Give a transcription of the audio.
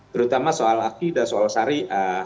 terutama soal akidah soal syariah